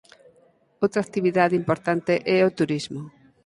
Outra actividade importante é o turismo.